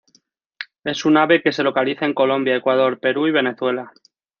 Es un ave que se localiza en Colombia, Ecuador, Perú y Venezuela.